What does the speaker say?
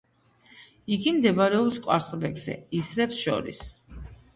იგი მდებარეობს კვარცხლბეკზე ისრებს შორის.